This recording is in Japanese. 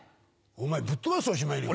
お前ぶっ飛ばすぞしまいには。